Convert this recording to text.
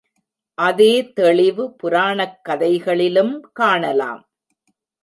அதே தெளிவு புராணக் கதைகளிலும் காணலாம்.